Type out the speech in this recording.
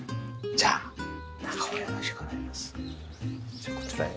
じゃあこちらへ。